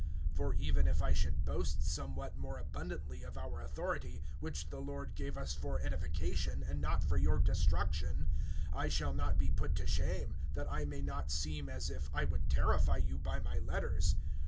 (8)For even if I should boast somewhat more abundantly of our authority, which the Lord gave us for edification, and not for your destruction[10:8], I shall not be put to shame; (9)that I may not seem as if I would terrify you by my letters.